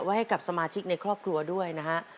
ให้กับสมาชิกในครอบครัวด้วยนะฮะ